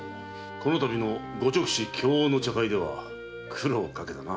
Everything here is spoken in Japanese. このたびのご勅使供応の茶会では苦労をかけたな。